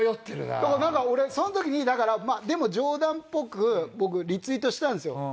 だから俺その時にでも冗談っぽく僕リツイートしたんですよ。